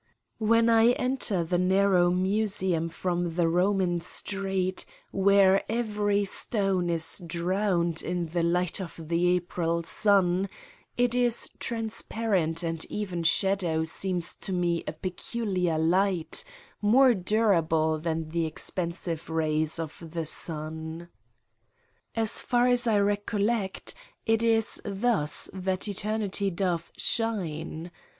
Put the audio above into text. When I enter the narrow museum from the Eoman street, where every stone is drowned in the light of the April sun, its transparent and even shadow seems to me a peculiar light, more durable than the expensive rays of the sun. Afl 193 Satan's Diary far as I recollect it is thus that eternity doth shine.